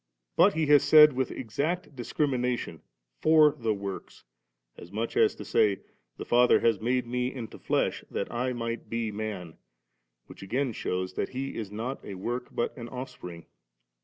But He has said with exact discrimination^ 'for the works;' as much as to say, * The Father has made Me into flesh, that I might be man,' which again shews that He is not a work but an ofispring.